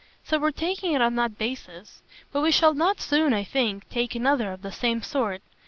So we're taking it on that basis. But we shall not soon, I think, take another of the same sort.